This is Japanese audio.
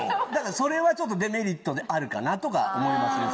それはちょっとデメリットであるかなとか思います。